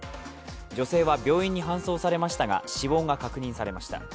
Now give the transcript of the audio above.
女性は病院に搬送されましたが死亡が確認されました。